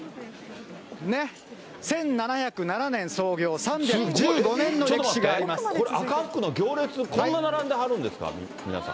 １７０７年創業、ちょっと待って、これ、赤福の行列、こんな並んではるんですか、皆さん。